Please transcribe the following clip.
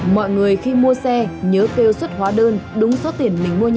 mọi người khi mua xe nhớ kêu xuất hóa đơn đúng số tiền mình mua nhà